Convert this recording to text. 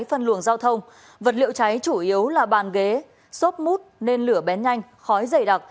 phân luồng giao thông vật liệu cháy chủ yếu là bàn ghế xốp mút nên lửa bén nhanh khói dày đặc